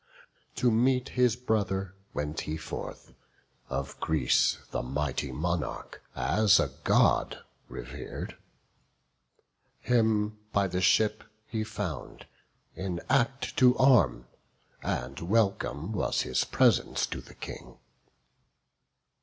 To meet his brother went he forth, of Greece The mighty monarch, as a God rever'd. Him by the ship he found, in act to arm; And welcome was his presence to the King.